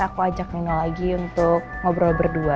aku ajak nino lagi untuk ngobrol berdua